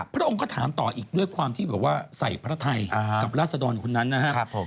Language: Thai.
พระองค์ก็ถามต่ออีกด้วยความที่แบบว่าใส่พระไทยกับราศดรคนนั้นนะครับ